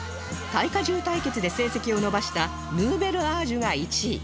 耐荷重対決で成績を伸ばしたヌーベルアージュが１位